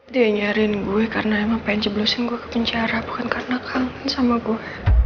dia nyariin gua karena emang pengen jeblusin gua ke penjara bukan karena kangen sama gua